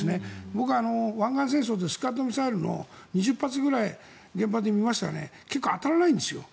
僕、湾岸戦争でスカッドミサイルを２０発ぐらい現場で見ましたが結構当たらないんですよ。